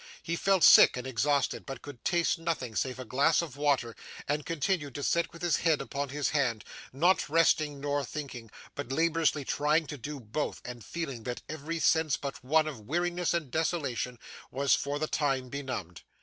He felt sick and exhausted, but could taste nothing save a glass of water, and continued to sit with his head upon his hand; not resting nor thinking, but laboriously trying to do both, and feeling that every sense but one of weariness and desolation, was for the time benumbed.